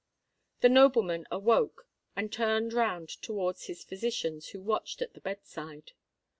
The nobleman awoke, and turned round towards his physicians, who watched at the bed side.